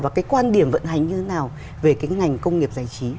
và cái quan điểm vận hành như thế nào về cái ngành công nghiệp giải trí